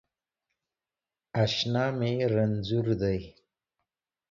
اشنا می رنځور دی